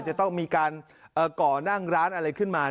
จะต้องมีการก่อนั่งร้านอะไรขึ้นมา